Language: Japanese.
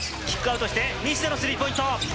キックアウトして、西田のスリーポイント。